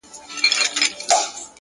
د زړه پاکوالی باور زېږوي.!